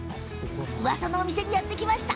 うわさのお店にやって来ました。